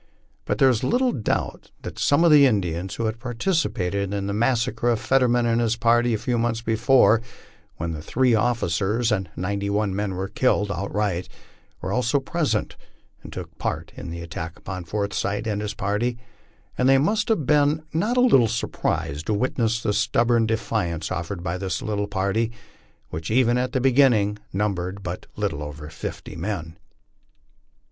There is but little doubt that some of the Indians who had participated in the massacre of Fetterman and his party a few months before, when three officers and ninety one men were killed out riglit, were also present and took part in the attack upon Forsyth and his party ; and they must have been not a little surprised to witness the stubborn defence offered by this little party, which, even at the beginning, numbered but little over fifty men. 96 LIFE ON THE PLAINS.